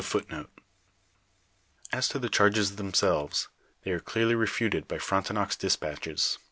"f As to the charges themselves, they are clearly refuted by Frontenac's despatches.